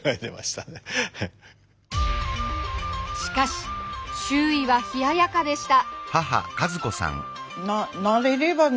しかし周囲は冷ややかでした。